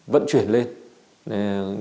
vận chuyển lên